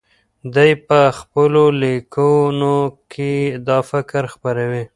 دی په خپلو لیکنو کې دا فکر خپروي.